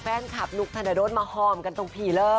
แฟนคลับนุ๊กธนโดสมาหอมกันตรงผีเลย